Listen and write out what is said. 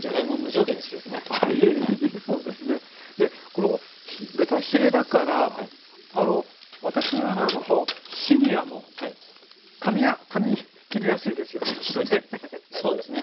この豚ヒレだから私のようなシニアもかみ切りやすいですよねきっとね。